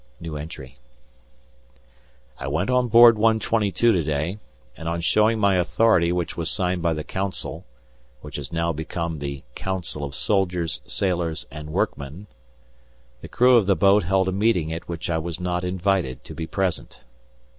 I went on board 122 to day, and on showing my authority which was signed by the Council (which has now become the Council of Soldiers, Sailors and Workmen), the crew of the boat held a meeting at which I was not invited to be present.